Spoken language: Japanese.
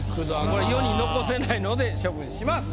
これ世に残せないので処分します。